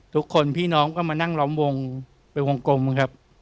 ทุกคนพี่น้องก็มานั่งล้อมวงเป็นวงกลมครับ